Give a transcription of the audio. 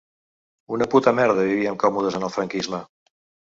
Una puta merda, vivíem còmodes en el franquisme.